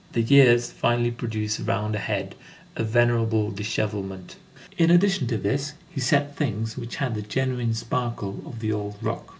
The years finally produce around a head a venerable dishevelment. In addition to this, he said things which had the genuine sparkle of the old rock.